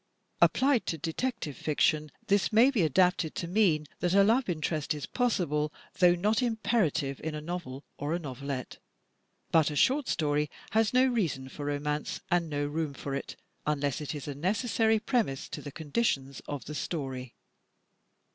Applied to detective fiction, this may be adapted to mean that a love interest is possible, though not imperative in a novel or a novelette; but a short story has no reason for romance and no room for it, unless it is a necessary premise to the conditions of the story.